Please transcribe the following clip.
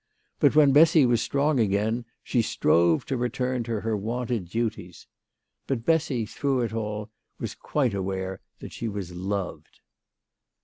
But when Bessy was strong again she strove to return to her wonted duties. But THE LADY OF LAUNAY. 107 Bessy, through it all, was quite aware that she was loved.